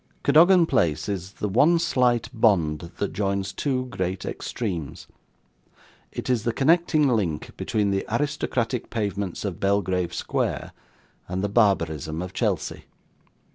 Cadogan Place is the one slight bond that joins two great extremes; it is the connecting link between the aristocratic pavements of Belgrave Square, and the barbarism of Chelsea.